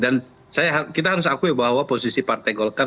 dan kita harus akui bahwa posisi partai golkar